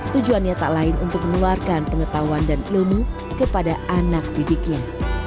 tujuannya tak lain untuk mengeluarkan pengetahuan dan ilmu kepada anak didiknya